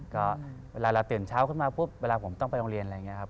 ก็เวลาเราตื่นเช้าขึ้นมาปุ๊บเวลาผมต้องไปโรงเรียนอะไรอย่างนี้ครับ